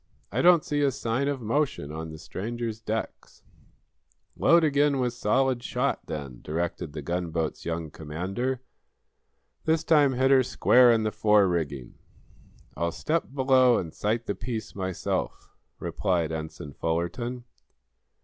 "I don't see a sign of motion on the stranger's decks." "Load again with solid shot, then," directed the gunboat's young commander. "This time hit her square in the fore rigging." "I'll step below and sight the piece myself," replied Ensign Fullerton.